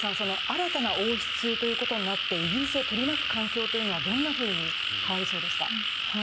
新たな王室ということになってイギリスを取り巻く環境はどんなふうに変わりそうですか。